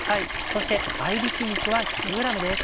そして合びき肉は１００ｇです。